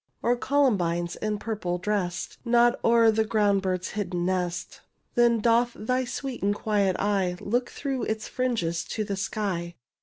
Or columbines, in purple dressed, Nod o'er the ground bird's hidden nest. Then doth thy sweet and quiet eye Look through its fringes to the sky.